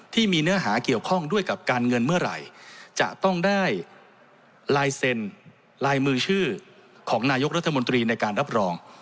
ที่มีเนื้อหาเกี่ยวข้องด้วยกับการเงินเมื่อไหร่จะต้องได้ลายเซ็นลายมือชื่อของนายกรัฐมนตรีในการรับรอง